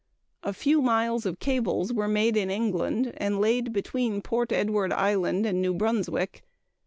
A few miles of cables were made in England, and laid between Prince Edward Island and New Brunswick.